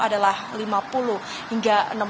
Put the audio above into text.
adalah lima puluh hingga enam puluh km per jam